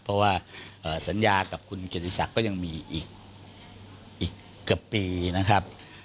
เพราะว่าสัญญากับคุณเกียรติศักดิ์ก็ยังมีอีกเกือบปีนะครับ